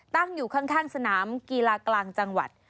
ตั้งอยู่ข้างสนามกีฬากลางจังหวัด